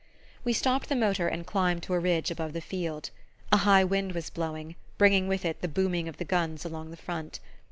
We stopped the motor and climbed to a ridge above the field. A high wind was blowing, bringing with it the booming of the guns along the front.